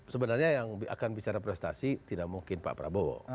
sebenarnya yang akan bicara prestasi tidak mungkin pak prabowo